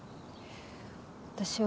私は。